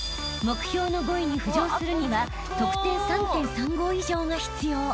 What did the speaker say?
［目標の５位に浮上するには得点３．３５以上が必要］